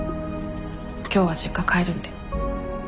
今日は実家帰るんで。